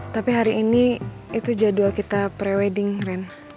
tapi hari ini itu jadwal kita pre wedding ren